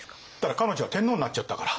彼女は天皇になっちゃったから。